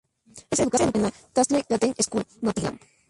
Es educado en la "Castle Gate School", Nottingham.